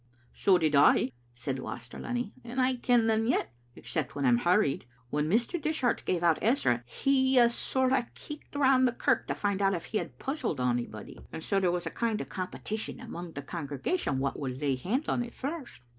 " So did I," said Waster Lunny, " and I ken them yet, except when I'm hurried. When Mr. Dishart gave out Ezra he a sort o' keeked round the kirk to find out if he had puzzled onybody, and so there was a kind o' a com petition among the congregation wha would lay hand on it first.